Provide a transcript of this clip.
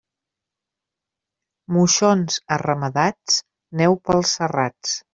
Moixons arramadats, neu pels serrats.